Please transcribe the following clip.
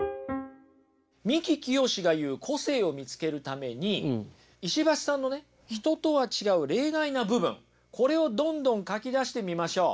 三木清が言う個性を見つけるために石橋さんのね人とは違う例外な部分これをどんどん書き出してみましょう。